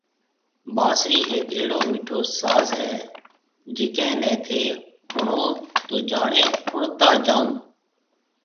بانسري ھيَََڪ اھڙو مٺو ساز ھيَََ جڪي ني ٿي ۿڻۿو تو جاڻي ۿڻتا جائون